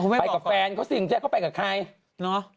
ไปกับแฟนก็สิเจ๊ก็ไปกับใคร